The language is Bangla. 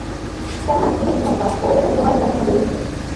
কেননা, এটাই বুদ্ধিমানের কাজ ও এটাতেই উলামায়ে কিরামের সৌন্দর্য নিহিত।